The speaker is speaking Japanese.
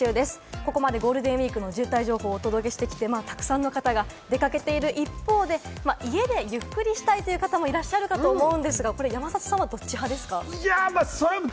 ここまでゴールデンウイークの渋滞情報をお伝えしてきて、沢山の方が出かけている一方で、家でゆっくりしたいという方もいらっしゃるかと思うんですが、これ、山里さんはどっち派ですか？